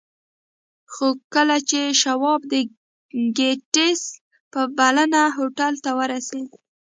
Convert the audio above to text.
خو کله چې شواب د ګیټس په بلنه هوټل ته ورسېد